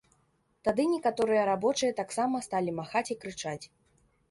Тады некаторыя рабочыя таксама сталі махаць і крычаць.